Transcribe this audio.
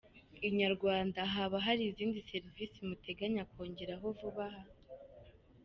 Inyarwanda: Haba hari izindi serivisi muteganya kwongeraho vuba ha?.